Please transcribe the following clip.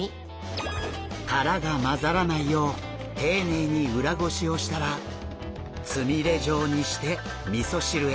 殻が交ざらないよう丁寧に裏ごしをしたらつみれ状にしてみそ汁へ。